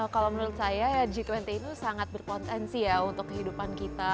kalau menurut saya ya g dua puluh ini sangat berpotensi ya untuk kehidupan kita